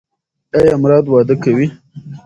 ایا مراد واده کوي؟